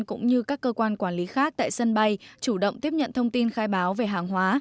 cũng như các cơ quan quản lý khác tại sân bay chủ động tiếp nhận thông tin khai báo về hàng hóa